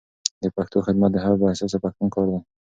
د پښتو خدمت د هر با احساسه پښتون کار دی.